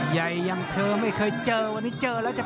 เหมาะ